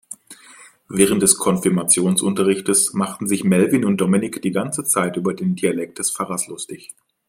Während des Konfirmationsunterrichts machten sich Melvin und Dominik die ganze Zeit über den Dialekt des Pfarrers lustig.